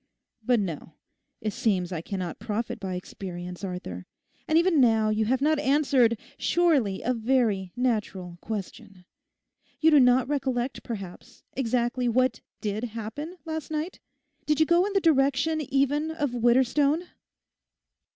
But no; it seems I cannot profit by experience, Arthur. And even now you have not answered surely a very natural question. You do not recollect, perhaps, exactly what did happen last night? Did you go in the direction even of Widderstone?